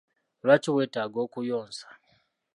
Lwaki wetaaga okuyonsa?